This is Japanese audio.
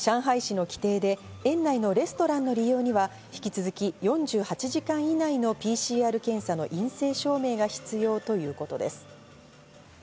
ただ上海市の規定で、園内のレストランの利用には引き続き、４８時間以内のＰＣＲ検査の陰性証明が必要ということです。